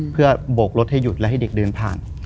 เพื่อโบกรถให้หยุดและให้เด็กเดินผ่าน